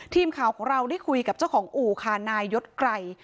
ทีมข่าวของเราได้คุยกับเจ้าของอู่ค่ะนายยศไกร